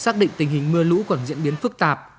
xác định tình hình mưa lũ còn diễn biến phức tạp